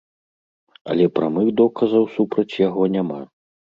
Але прамых доказаў супраць яго няма.